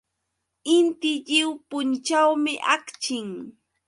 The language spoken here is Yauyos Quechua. Inti lliw punćhawmi akchin.